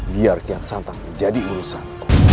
biar rara santang menjadi urusan